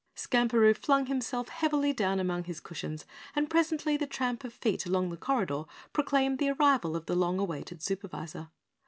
Skamperoo flung himself heavily down among his cushions and presently the tramp of feet along the corridor proclaimed the arrival of the long awaited Supervisor.